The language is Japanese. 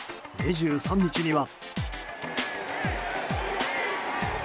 ２３日には。